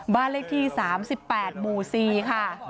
บ้านเลขที่๓๘หมู่๔ค่ะ